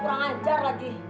kurang ajar lagi